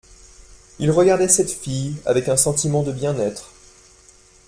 Il regardait cette fille avec un sentiment de bien-être.